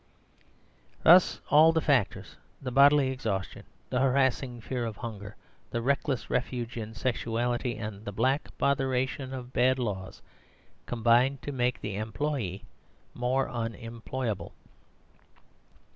Thus all the factors the bodily exhaustion, the harassing fear of hunger, the reckless refuge in sexuality, and the black botheration of bad laws combined to make the employee more unemployable.